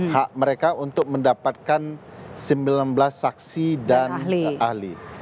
hak mereka untuk mendapatkan sembilan belas saksi dan ahli